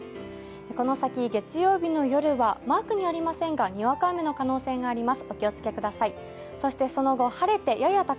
この先、月曜日の夜はマークにありませんがにわか雨の可能性があります。